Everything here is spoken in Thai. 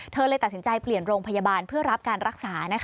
เลยตัดสินใจเปลี่ยนโรงพยาบาลเพื่อรับการรักษา